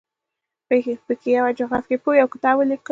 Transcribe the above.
په کې یوه جغرافیه پوه یو کتاب ولیکه.